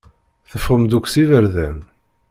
Teffɣem-d akk s iberdan.